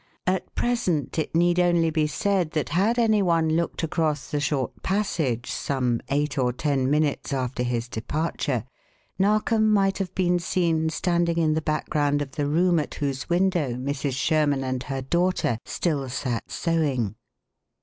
At present it need only be said that had any one looked across the short passage some eight or ten minutes after his departure Narkom might have been seen standing in the background of the room at whose window Mrs. Sherman and her daughter still sat sewing.